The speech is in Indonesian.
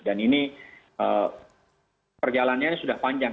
dan ini perjalannya sudah panjang